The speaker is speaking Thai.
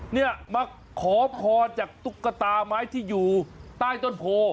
เนี่ยมาขอพรจากตุ๊กตาไม้ที่อยู่ใต้ต้นโพ